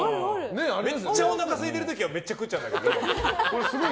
めっちゃおなかすいている時はめっちゃ食っちゃうんだけど。